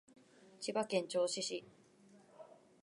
千葉県銚子市